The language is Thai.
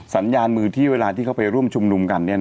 สัญญาณมือที่เวลาที่เขาไปร่วมชุมนุมกัน